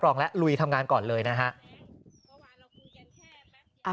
กรุงเทพฯมหานครทำไปแล้วนะครับ